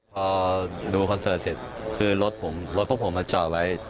พอดูคอนเสิร์ตเสร็จคือรถผมรถพวกผมมาจอดไว้